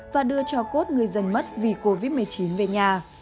và đưa cho cốt người dân mất vì covid một mươi chín về nhà